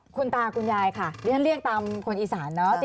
คุณตาคุณยายค่ะดิฉันเรียกตามคนอีสานเนอะ